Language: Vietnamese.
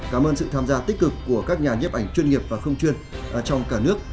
cảm ơn sự tham gia tích cực của các nhà nhếp ảnh chuyên nghiệp và không chuyên trong cả nước